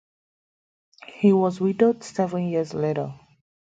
He was widowed seven years later.